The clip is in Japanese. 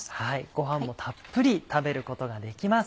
ご飯もたっぷり食べることができます。